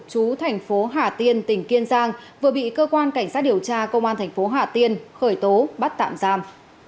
chú thành phố hà tiên tỉnh kiên giang vừa bị cơ quan cảnh sát điều tra công an thành phố hà tiên khởi tố bắt tạm giam